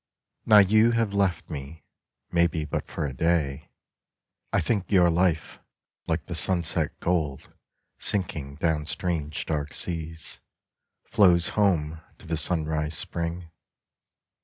Now you have left me, maybe but for a day (I think your life like the sunset gold sinking Down strange dark seas, flows home to the sunrise spring).